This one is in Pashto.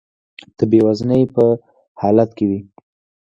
د بې وزنۍ په حالت کې وي.